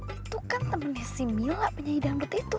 itu kan temennya si mila penyayi dalam bot itu